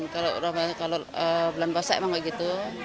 kalau bulan puasa memang begitu